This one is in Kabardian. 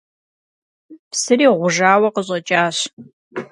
Псыри гъужауэ къыщӏэкӏащ.